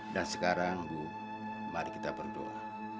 dan sekarang ibu mari kita berdoa